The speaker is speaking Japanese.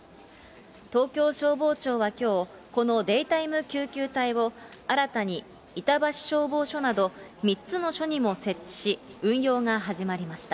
東京消防庁はきょう、このデイタイム救急隊を、新たに板橋消防署など、３つの署にも設置し、運用が始まりました。